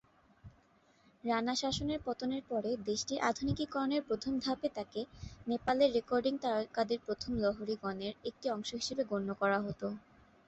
রানা শাসনের পতনের পরে দেশটির আধুনিকীকরণের প্রথম ধাপে তাঁকে "নেপালের রেকর্ডিং তারকাদের প্রথম লহরী"-গণের একটি অংশ হিসাবে গণ্য করা হত।